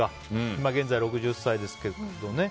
今現在６０歳ですけどね。